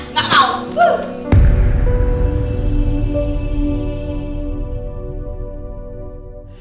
emang kamu boleh tau